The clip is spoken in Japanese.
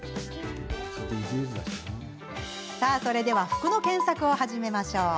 それでは服の検索を始めましょう。